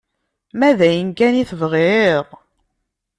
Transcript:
Ma d ayen kan i tebɣiḍ...